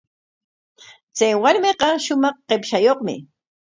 Chay warmiqa shumaq qipshayuqmi.